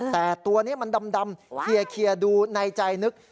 แต่ตัวนี้มันดำเคลียร์ดูในใจนึก